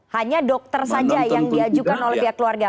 hanya dokter saja yang diajukan oleh pihak keluarga